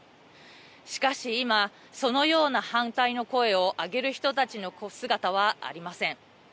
しかし今、そのような反対の声を上げる人たちの姿はありません。